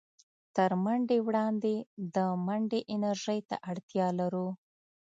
تر منډې وړاندې د منډې انرژۍ ته اړتيا لرو.